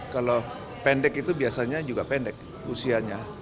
kalau pendek itu biasanya juga pendek usianya